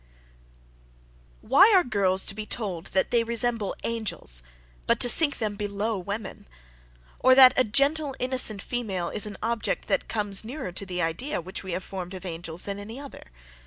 Why are girls to be told that they resemble angels; but to sink them below women? Or, that a gentle, innocent female is an object that comes nearer to the idea which we have formed of angels than any other.